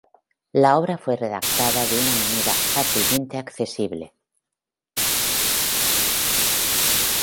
La obra fue redactada de una manera fácilmente accesible.